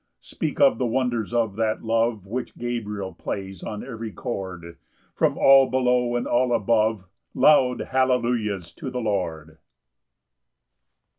12 Speak of the wonders of that love Which Gabriel plays on every chord: From all below and all above, Loud hallelujahs to the Lord!